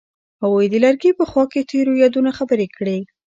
هغوی د لرګی په خوا کې تیرو یادونو خبرې کړې.